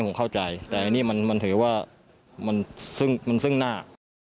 ซึ่งมันซึ่งหน้า